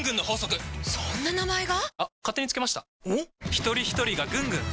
ひとりひとりがぐんぐん！